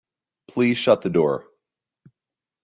Please shut the door.